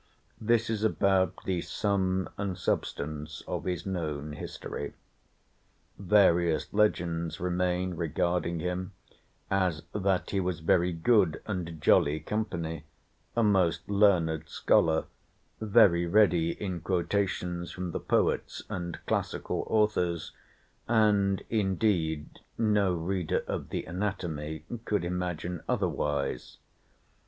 This is about the sum and substance of his known history. Various legends remain regarding him; as, that he was very good and jolly company, a most learned scholar, very ready in quotations from the poets and classical authors, and indeed no reader of the 'Anatomy' could imagine otherwise.